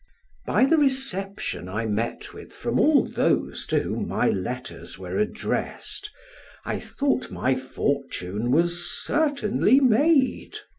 By the reception I met with from all those to whom my letters were addressed, I thought my fortune was certainly made.